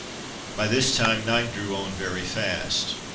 By this time night drew on very fast.